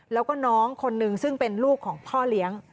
แล้วก็น้องคนนึงซึ่งเป็นลูกของพ่อเลี้ยง